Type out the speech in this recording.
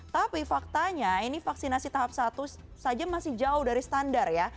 tapi faktanya ini vaksinasi tahap satu saja masih jauh dari standar ya